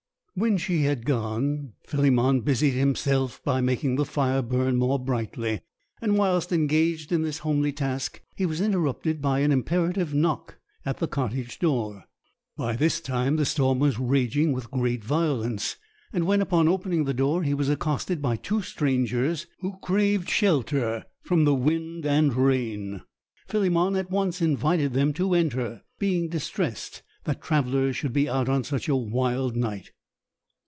When she had gone, Philemon busied himself by making the fire burn more brightly; and whilst engaged in this homely task, he was interrupted by an imperative knock at the cottage door. By this time the storm was raging with great violence; and when, upon opening the door, he was accosted by two strangers who craved shelter from the wind and rain, Philemon at once invited them to enter, being distressed that travellers should be out on such a wild night.